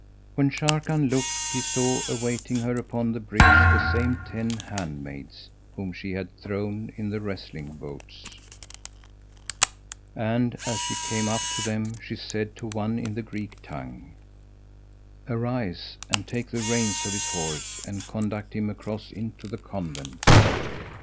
When Sharrkan looked, he saw awaiting her upon the bridge the same ten handmaids whom she had thrown in the wrestling bouts; and, as she came up to them, she said to one in the Greek tongue, "Arise and take the reins of his horse and conduct him across into the convent."